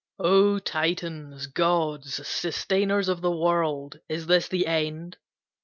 "O Titans, gods, sustainers of the world, Is this the end?